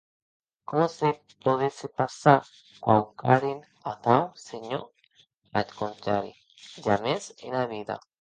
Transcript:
Coma se podesse passar quauquarren atau, senhor; ath contrari, jamès ena vida.